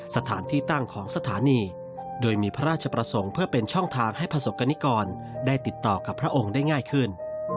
สถานที่ตั้งของสถานีโดยมีพระราชประสงค์เพื่อเป็นช่องทางให้ประสบกรณิกรได้ติดต่อกับพระองค์ได้ง่ายขึ้น